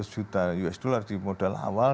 seratus juta usd di modal awal